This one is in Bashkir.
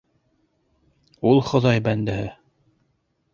Ул Хоҙай бәндәһе!